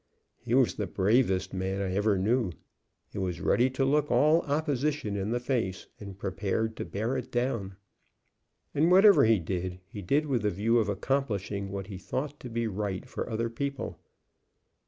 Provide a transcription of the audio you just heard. He was the bravest man I ever knew. He was ready to look all opposition in the face, and prepared to bear it down. And whatever he did, he did with the view of accomplishing what he thought to be right for other people.